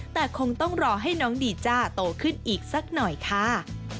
แต่คงต้องรอให้น้องดีจ้าโตขึ้นอีกสักหน่อยค่ะ